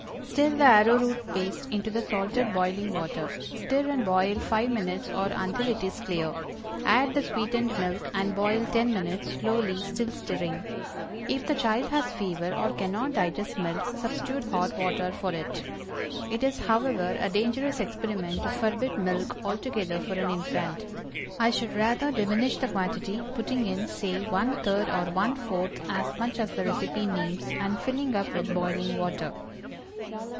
Stir the arrowroot paste into the salted boiling water; stir and boil five minutes or until it is clear; add the sweetened milk, and boil ten minutes, slowly, still stirring. If the child has fever, or cannot digest milk, substitute hot water for it. It is, however, a dangerous experiment to forbid milk altogether for an infant. I should rather diminish the quantity, putting in, say, one third or one fourth as much as the receipt names, and filling up with boiling water.